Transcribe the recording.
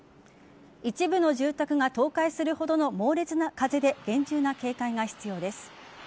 一部の住宅が倒壊するほどの猛烈な風で厳重な警戒が必要です。